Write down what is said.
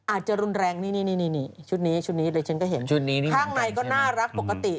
อาจจะรุนแรงนี่ชุดนี้เลยฉันก็เห็นข้างในก็น่ารักปกติ